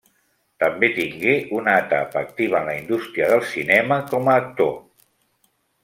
També tingué una etapa activa en la indústria del cinema com a actor.